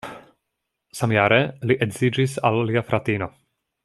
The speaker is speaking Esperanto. Samjare li edziĝis al lia fratino.